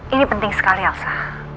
ini penting sekali elsa